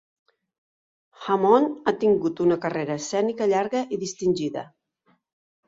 Hammond ha tingut una carrera escènica llarga i distingida.